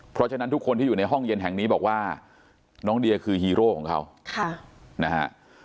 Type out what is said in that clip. เพราะฉะนั้นทุกคนที่อยู่ในห้องเย็นแห่งนี้บอกว่าน้องเดียคือฮีโร่ของเขานะฮะ